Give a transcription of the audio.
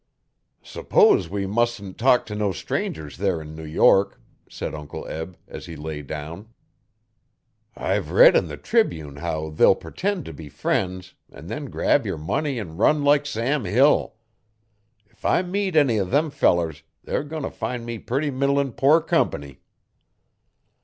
'S'pose we musn't talk t' no strangers there 'n New York,' said Uncle Eb, as he lay down. 'I've read 'n the Tribune how they'll purtend t' be friends an' then grab yer money an' run like Sam Hill. If I meet any o' them fellers they're goin' t' find me purty middlin' poor comp'ny.'